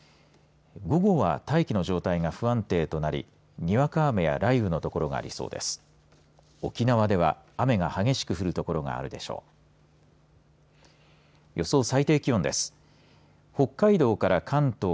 午後は大気の状態が不安定となりにわか雨や雷雨の所がありそうです。